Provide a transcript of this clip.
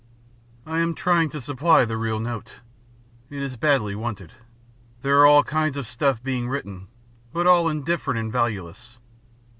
"I am trying to supply the real note. It is badly wanted. There are all kinds of stuff being written, but all indifferent and valueless.